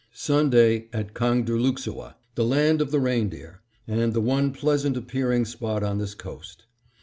Sunday, at Kangerdlooksoah; the land of the reindeer, and the one pleasant appearing spot on this coast.